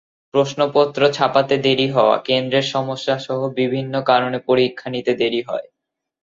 প্রশ্নপত্র ছাপাতে দেরি হওয়া, কেন্দ্রের সমস্যাসহ বিভিন্ন কারণেও পরীক্ষা নিতে দেরি হয়।